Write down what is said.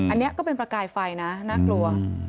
อันนี้ก็เป็นประกายไฟนะน่ากลัว